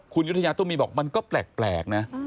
คุณยุธยาตุ้มีบอกมันก็แปลกนะ